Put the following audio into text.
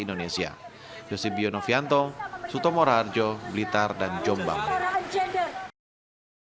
pemerintah segera bertindak mengatasi darurat kesehatan seksual di indonesia